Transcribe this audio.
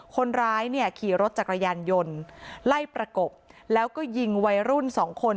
คนร้ายเนี่ยขี่รถจักรยานยนต์ไล่ประกบแล้วก็ยิงวัยรุ่นสองคน